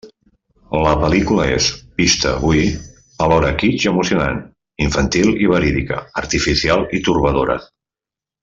La pel·lícula és, vista avui, alhora kitsch i emocionant, infantil i verídica, artificial i torbadora.